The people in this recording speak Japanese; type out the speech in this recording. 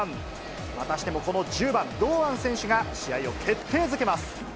またしてもこの１０番堂安選手が試合を決定づけます。